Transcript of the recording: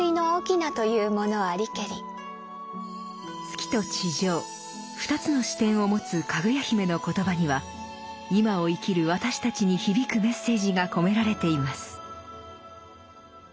月と地上２つの視点を持つかぐや姫の言葉には今を生きる私たちに響くメッセージが込められています。